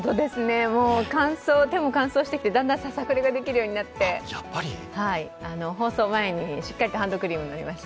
もう手も乾燥してきて、だんだんささくれができるようになって放送前にしっかりとハンドクリームを塗りました。